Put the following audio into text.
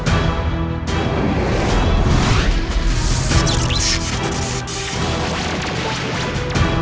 wahai penguasa di dalam kegelapan